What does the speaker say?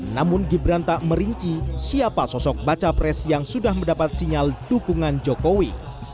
namun gibran tak merinci siapa sosok baca pres yang sudah mendapat sinyal dukungan jokowi